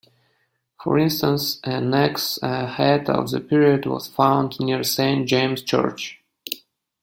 For instance an axe head of the period was found near Saint James' Church.